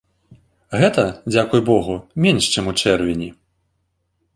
Гэта, дзякуй богу, менш чым ў чэрвені.